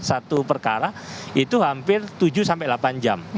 satu perkara itu hampir tujuh sampai delapan jam